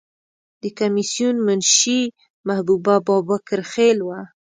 د کمیسیون منشی محبوبه بابکر خیل وه.